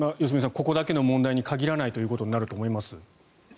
ここだけの問題に限らないということなんだと思います。